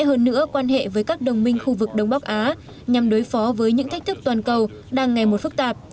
hơn nữa quan hệ với các đồng minh khu vực đông bắc á nhằm đối phó với những thách thức toàn cầu đang ngày một phức tạp